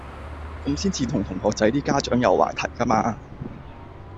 咁先至同同學仔啲家長有話題㗎嘛